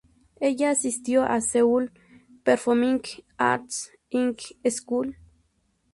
Ella asistió a Seoul Performing Arts High School.